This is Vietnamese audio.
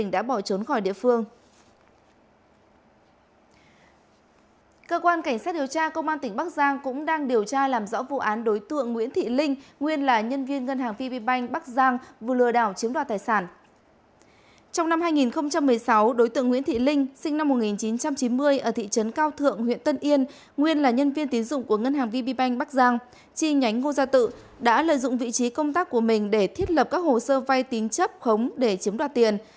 đối tượng nguyễn thị linh sinh năm một nghìn chín trăm chín mươi ở thị trấn cao thượng huyện tân yên nguyên là nhân viên tín dụng của ngân hàng vb bank bắc giang chi nhánh ngô gia tự đã lợi dụng vị trí công tác của mình để thiết lập các hồ sơ vai tín chấp khống để chiếm đoạt tiền